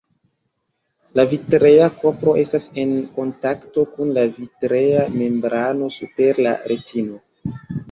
La vitrea korpo estas en kontakto kun la vitrea membrano super la retino.